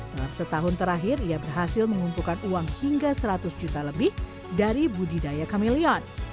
dalam setahun terakhir ia berhasil mengumpulkan uang hingga seratus juta lebih dari budidaya kamelion